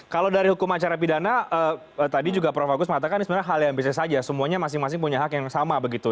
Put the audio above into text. kalau dari hukum acara pidana tadi juga prof agus mengatakan ini sebenarnya hal yang biasa saja semuanya masing masing punya hak yang sama begitu